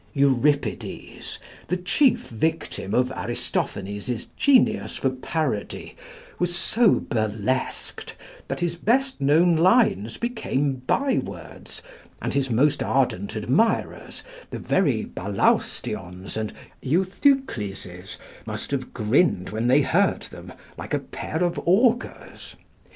Euripides, the chief victim of Aristophanes's genius for parody, was so burlesqued that his best known lines became by words, and his most ardent admirers, the very Balaustions and Euthukleses, must have grinned when they heard them, like a pair of augurs.